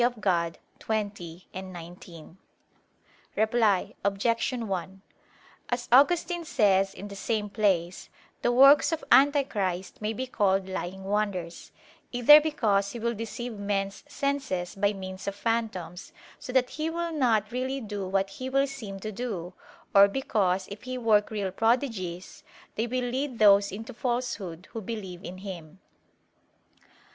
Dei xx, 19). Reply Obj. 1: As Augustine says in the same place, the works of Antichrist may be called lying wonders, "either because he will deceive men's senses by means of phantoms, so that he will not really do what he will seem to do; or because, if he work real prodigies, they will lead those into falsehood who believe in him."